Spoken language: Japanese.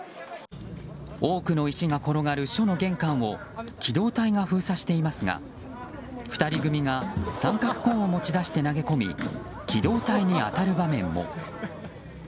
多くの石が転がる署の玄関を機動隊が封鎖していますが２人組が三角コーンを持ち込んで投げ込み機動隊に当たる場面も。